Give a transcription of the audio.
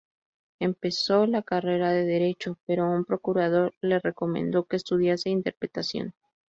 Empezó la carrera de Derecho, pero un procurador le recomendó que estudiase Interpretación.